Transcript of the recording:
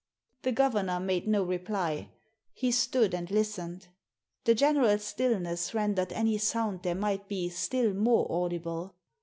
The governor made no reply. He stood and listened. The general stillness rendered any sound there might be still more audible.